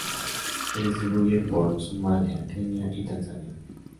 Se distribuye por Somalia, Kenia y Tanzania.